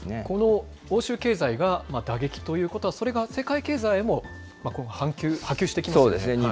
この欧州経済が打撃ということは、それが世界経済へも今後、そうですね。